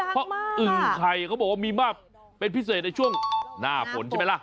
เพราะอึ่งไข่เขาบอกว่ามีมากเป็นพิเศษในช่วงหน้าฝนใช่ไหมล่ะ